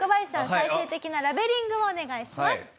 最終的なラベリングをお願いします。